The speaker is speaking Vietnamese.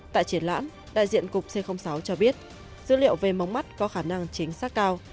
tại triển lãm đại diện cục c sáu cho biết dữ liệu về mống mắt có khả năng chính xác cao